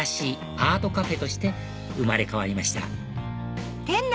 アートカフェとして生まれ変わりました